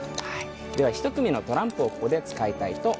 では１組のトランプをここで使いたいと思います。